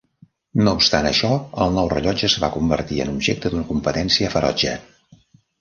No obstant això, el nou rellotge es va convertir en objecte d'una competència ferotge.